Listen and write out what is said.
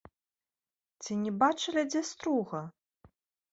Ці не бачылі дзе струга?